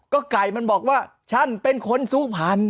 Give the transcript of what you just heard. ก็ไก่มันบอกว่าฉันเป็นคนสุพรรณ